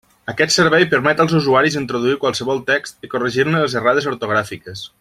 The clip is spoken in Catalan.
Aquest servei permet als usuaris introduir qualsevol text i corregir-ne les errades ortogràfiques.